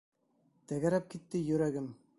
Тәгәрәп китте йөрәгем!..